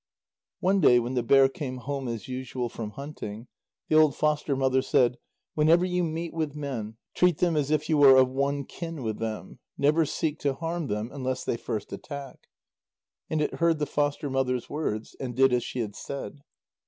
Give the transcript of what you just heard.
One day when the bear came home as usual from hunting, the old foster mother said: "Whenever you meet with men, treat them as if you were of one kin with them; never seek to harm them unless they first attack." And it heard the foster mother's words and did as she had said.